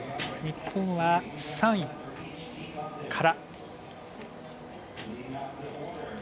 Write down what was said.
日本は３位から。